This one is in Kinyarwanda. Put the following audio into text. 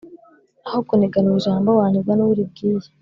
Aho kuniganwa ijambo wanigwa n’uwo uribwiye